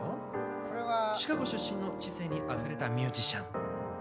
シカゴ出身の知性にあふれたミュージシャン。